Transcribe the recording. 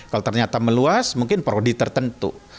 kalau ternyata meluas mungkin prodi tertentu